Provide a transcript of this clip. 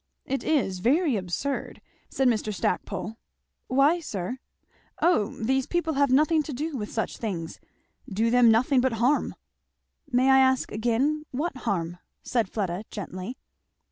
"It is very absurd!" said Mr. Stackpole "Why, sir?" "O these people have nothing to do with such things do them nothing but harm!" "May I ask again, what harm?" said Fleda gently.